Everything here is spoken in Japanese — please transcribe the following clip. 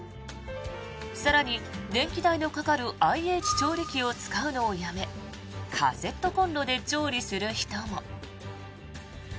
更に、電気代のかかるＩＨ調理器を使うのをやめカセットコンロで調理する人も。